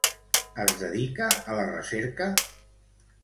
Es dedica a la recerca?